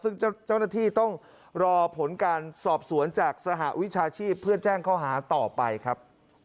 ซึ่งเจ้าหน้าที่ต้องรอผลการสอบสวนจากสหวิชาชีพเพื่อแจ้งข้อหาต่อไปครับ